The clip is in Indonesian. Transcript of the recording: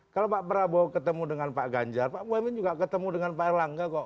kalau pak prabowo ketemu dengan pak ganjar pak muhaymin juga ketemu dengan pak erlangga kok